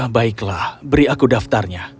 baiklah beri aku daftarnya